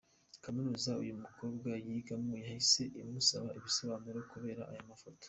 Kaminuza uyu mukobwa yigamo yahise imusaba ibisobanuro kubera aya mafoto.